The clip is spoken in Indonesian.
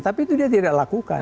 tapi itu dia tidak lakukan